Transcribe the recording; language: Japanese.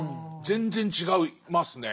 全然違いますね。